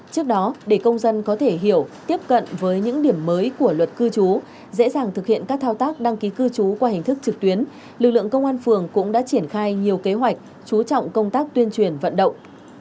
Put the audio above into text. trước đó để công dân có thể hiểu tiếp cận với những điểm mới của luật cư trú dễ dàng thực hiện các thao tác đăng ký cư trú qua hình thức trực tuyến lực lượng công an phường cũng đã triển khai nhiều kế hoạch chú trọng công tác tuyên truyền vận động